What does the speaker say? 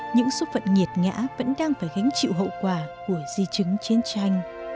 những số phận nghiệt ngã vẫn đang phải gánh chịu hậu quả của di chứng chiến tranh